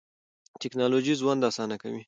ټکنالوژي ژوند اسانه کوي.